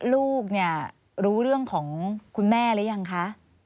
ลูกเนี่ยรู้เรื่องของคุณแม่หรือยังคะ